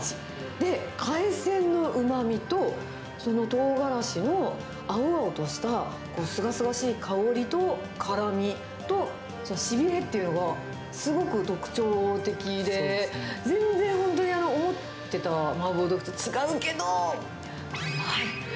で、海鮮のうまみと、そのトウガラシの青々としたすがすがしい香りと辛みと、しびれっていうのがすごく特徴的で、全然本当に、思ってた麻婆豆腐と違うけど、うまい。